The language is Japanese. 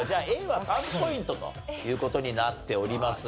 Ａは３ポイントという事になっております。